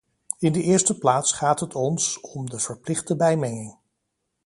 In de eerste plaats gaat het ons om de verplichte bijmenging.